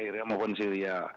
ke iraq maupun syria